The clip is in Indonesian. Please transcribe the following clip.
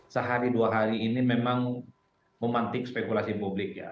sehari dua hari ini memang memantik spekulasi publik ya